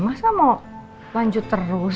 masa mau lanjut terus